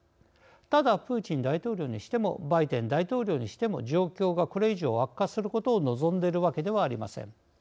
ただ、プーチン大統領にしてもバイデン大統領にしても状況がこれ以上悪化することを望んでいるわけではありません。